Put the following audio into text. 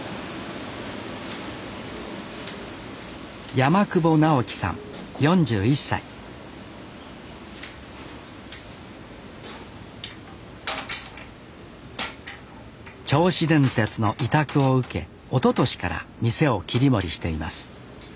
山久保直紀さん４１歳銚子電鉄の委託を受けおととしから店を切り盛りしています